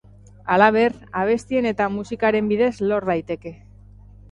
Halaber, abestien eta musikaren bidez lor daiteke.